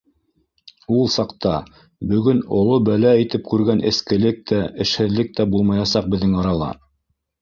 Ул саҡта бөгөн оло бәлә итеп күргән эскелек тә, эшһеҙлек тә булмаясаҡ беҙҙең арала.